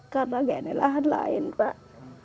karena ini lahan lain pak